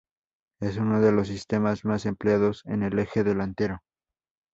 Es uno de los sistemas más empleados en el eje delantero.